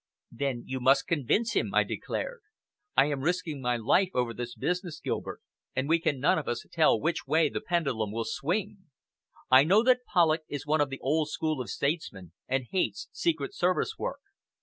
"Then you must convince him," I declared. "I am risking my life over this business, Gilbert, and we can none of us tell which way the pendulum will swing. I know that Polloch is one of the old school of statesmen, and hates Secret Service work.